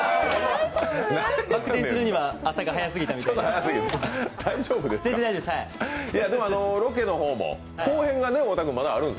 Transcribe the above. バク転にするには朝が早すぎたみたいです。